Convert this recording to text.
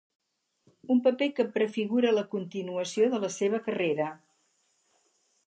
Un paper que prefigura la continuació de la seva carrera.